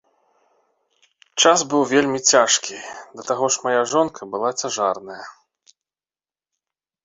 Час быў вельмі цяжкі, да таго мая жонка была цяжарная.